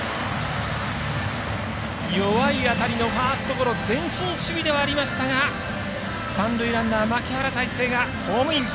弱い当たりのファーストゴロ前進守備ではありましたが三塁ランナー牧原大成がホームイン。